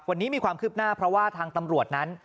วันนี้มีความคืบหน้าเพราะว่าทางตำรวจนั้น